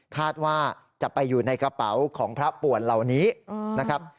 คาดว่าจะไปอยู่ในกระเป๋าของพระป่วนเหล่านี้นะครับ